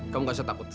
kamu nggak usah takut